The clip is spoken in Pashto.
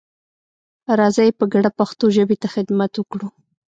راځئ په ګډه پښتو ژبې ته خدمت وکړو.